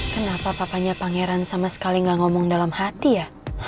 kenapa papanya pangeran sama sekali gak ngomong dalam hati ya